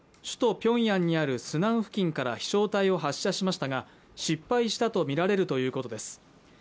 首都ピョンヤンにあるスナン付近から飛しょう体を発射しましたが失敗したと見られるということです